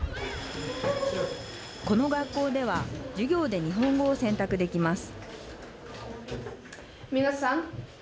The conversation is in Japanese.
この学校では授業で日本語を選択できます。